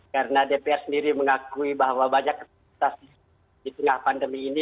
karena dpr sendiri mengakui bahwa banyak kesulitan di tengah pandemi ini